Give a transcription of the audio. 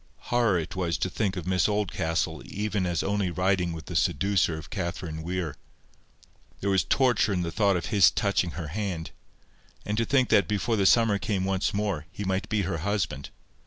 Horror it was to think of Miss Oldcastle even as only riding with the seducer of Catherine Weir. There was torture in the thought of his touching her hand; and to think that before the summer came once more, he might be her husband!